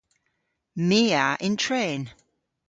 My a yn tren.